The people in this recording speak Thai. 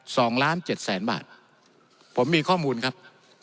สองล้านเจ็ดแสนบาทผมมีข้อมูลครับ